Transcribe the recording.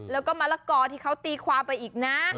แล้วก็มะละกอที่เขาตีความไปอีกนะ